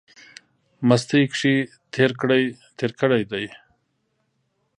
مستۍ کښې تېر کړی دی۔